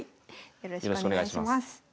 よろしくお願いします。